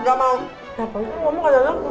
siapa itu gak mau kacanya